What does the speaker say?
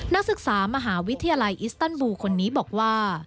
นักศึกษามหาวิทยาลัยอิสตันบูลคนนี้บอกว่า